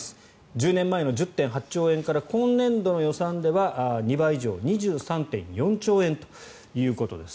１０年前の１０．８兆円から今年度の予算では２倍以上２３．４兆円ということです。